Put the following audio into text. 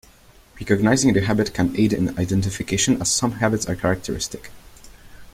Recognizing the habit can aid in identification as some habits are characteristic.